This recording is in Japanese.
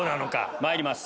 まいります。